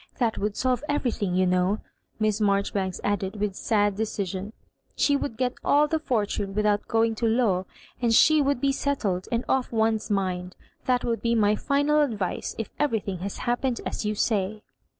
That would solve everything, you know," Miss Maijoribanks add ed, with sad decision. She would get all the forttine without going to law, and she would be settled, and off one's mind. That would be my final advice, if everything has happened as you say."